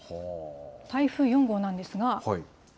台風４号なんですが。